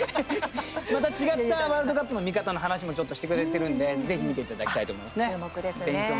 また違ったワールドカップの見方の話もちょっとしてくれているのでぜひ見ていただきたい注目ですね。